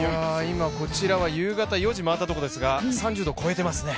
今こちらは夕方４時回ったところですが３０度超えてますね。